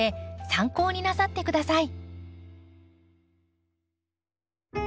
参考になさって下さい。